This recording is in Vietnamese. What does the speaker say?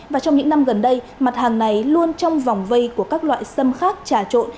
và trong những năm gần đây mặt hàng này luôn trong vòng vây của các loại sâm khác trà trộn